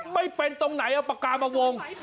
ไม่เป็นตรงไหนเอาปากกามาวง